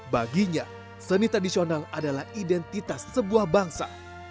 baginya seni tradisional adalah identitas sebuah bangsa